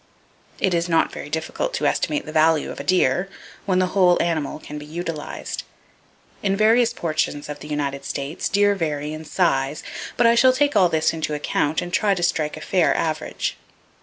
It is not very difficult to estimate the value of a deer, when the whole animal can be utilized. In various portions of the United States, deer vary in size, but I shall take all this into account, and try to strike a fair average.